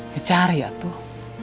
ya cari atuh